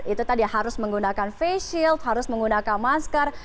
itu tadi harus menggunakan face shield harus menggunakan masker